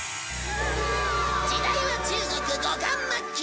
時代は中国後漢末期。